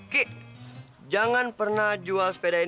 kik jangan pernah jual sepeda ini